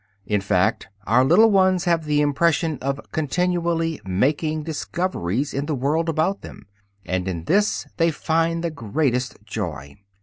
In fact, our little ones have the impression of continually "making discoveries" in the world about them; and in this they find the greatest joy.